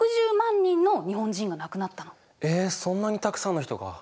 そんなにたくさんの人が！？